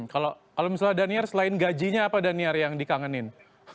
kalau misalnya daniel selain gajinya apa daniar yang dikangenin